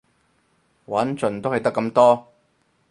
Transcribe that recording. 玩盡都係得咁多